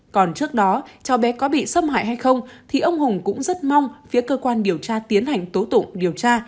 còn trước đó cháu bé có bị xâm hại hay không thì ông hùng cũng rất mong phía cơ quan điều tra tiến hành tố tụng điều tra